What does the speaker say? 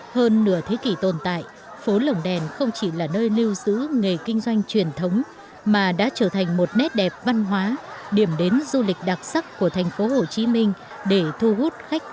hơn nửa thế kỷ tồn tại phố lồng đèn không chỉ là nơi lưu giữ nghề kinh doanh truyền thống mà đã trở thành một nét đẹp văn hóa điểm đến du lịch đặc sắc của thành phố hồ chí minh để thu hút khách